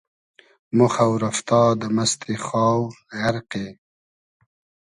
مۉ خۆ رئفتا دۂ مئستی خاو غئرقی